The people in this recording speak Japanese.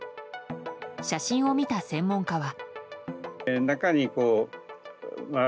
写真を見た専門家は。